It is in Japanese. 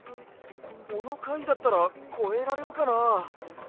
このかいだったらこえられるかな？